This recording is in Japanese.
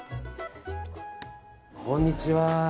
こんにちは。